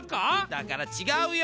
だからちがうよ！